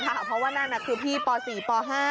เพราะว่านั่นคือพี่ป๔ป๕